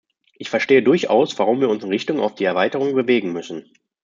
Ich verstehe durchaus, warum wir uns in Richtung auf die Erweiterung bewegen müssen.